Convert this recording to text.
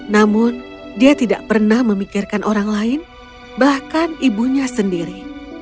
namun dia tidak pernah memikirkan orang lain bahkan ibunya sendiri